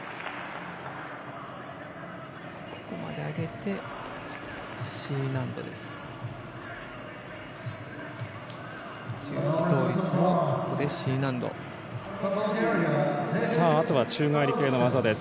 ここまで上げてＣ難度です。